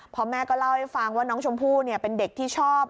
พอแม่ก็เล่าให้ฟังว่าน้องชมพู่เป็นเด็กที่ชอบ